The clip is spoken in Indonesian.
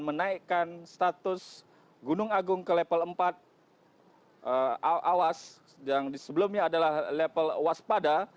menaikkan status gunung agung ke level empat awas yang sebelumnya adalah level waspada